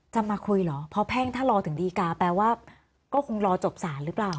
มาคุยเหรอเพราะแพ่งถ้ารอถึงดีกาแปลว่าก็คงรอจบสารหรือเปล่า